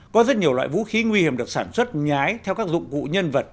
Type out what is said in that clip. có rất nhiều loại vũ khí nguy hiểm được sản xuất nhái theo các dụng cụ nhân vật